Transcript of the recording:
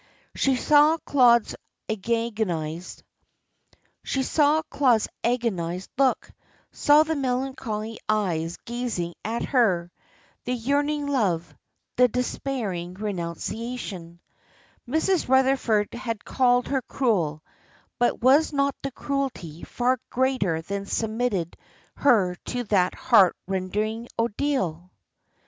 She saw Claude's agonised look, saw the melancholy eyes gazing at her: the yearning love, the despairing renunciation. Mrs. Rutherford had called her cruel, but was not the cruelty far greater that submitted her to that heart rending ordeal?